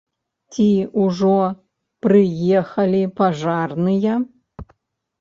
Ці ужо прыехалі пажарныя?